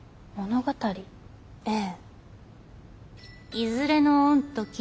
ええ。